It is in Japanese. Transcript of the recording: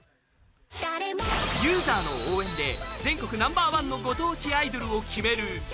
ユーザーの応援で全国ナンバーワンのご当地アイドルを決める